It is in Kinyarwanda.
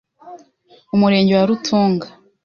Umurenge wa Rutunga